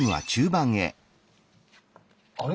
あれ？